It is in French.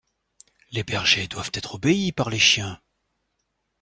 Les bergers doivent être obéis par les chiens.